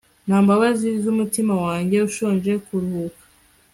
Nta mbabazi zumutima wanjye ushonje kuruhuka